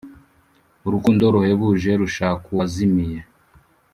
Urukundo ruhebuje, rushak'uwazimiye.